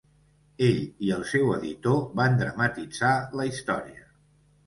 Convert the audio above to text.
Ell i el seu editor van dramatitzar la història.